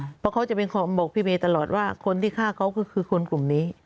เพราะเขาจะเป็นคนบอกพี่เวย์ตลอดว่าคนที่ฆ่าเขาก็คือคนกลุ่มนี้